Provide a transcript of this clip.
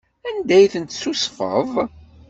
Anda ay ten-tessusfeḍ?